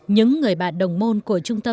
những người bạn đồng môn của cổ trung